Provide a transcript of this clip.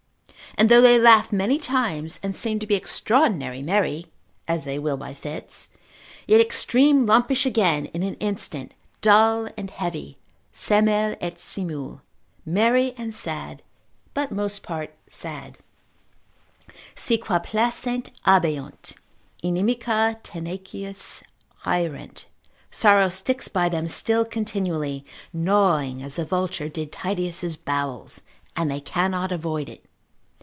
And though they laugh many times, and seem to be extraordinary merry (as they will by fits), yet extreme lumpish again in an instant, dull and heavy, semel et simul, merry and sad, but most part sad: Si qua placent, abeunt; inimica tenacius haerent: sorrow sticks by them still continually, gnawing as the vulture did Titius' bowels, and they cannot avoid it.